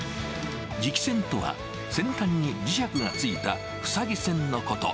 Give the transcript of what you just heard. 磁気栓とは、先端に磁石がついた塞ぎ栓のこと。